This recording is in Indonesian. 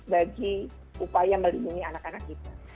bagi upaya melindungi anak anak kita